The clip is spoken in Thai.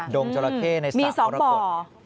ดงจราเข้ในสารฝรกดมี๒บ่อ